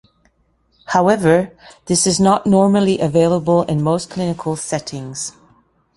However, this is not normally available in most clinical settings.